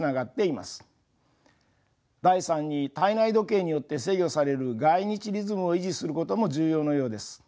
第３に体内時計によって制御される概日リズムを維持することも重要のようです。